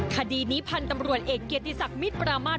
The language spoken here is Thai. คดีนี้พันธุ์ตำรวจเอกเกียรติศักดิ์มิตรประมาท